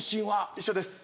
一緒です。